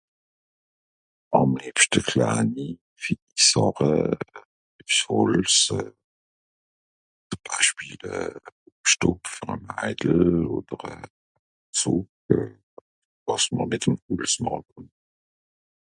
àm lebschte klani sàche üss holz ... schpiele (stùpfe) ... wàs mr mìt'm holz màch